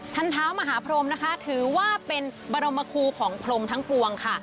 เท้ามหาพรมนะคะถือว่าเป็นบรมคูของพรมทั้งปวงค่ะ